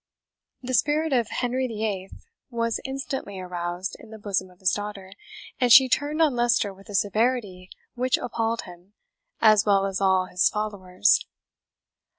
The spirit of Henry VIII. was instantly aroused in the bosom of his daughter, and she turned on Leicester with a severity which appalled him, as well as all his followers.